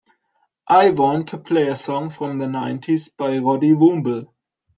I want to play a song from the nineties by Roddy Woomble